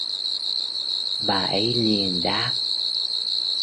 bà ấy liền đáp